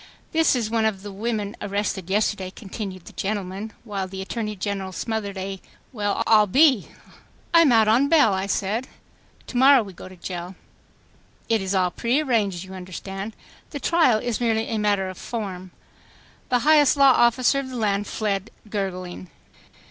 "This is one of the women arrested yesterday," continued the gentleman, while the Attorney General smothered a "Well, I'll be ..." "I am out on bail," I said. " To morrow we go to jail. It is all prearranged, you understand. The trial is merely a matter of form." The highest law officer of the land fled gurgling.